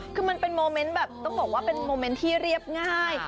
คือมันเป็นโมเมนต์แบบต้องบอกว่าเป็นโมเมนต์ที่เรียบง่าย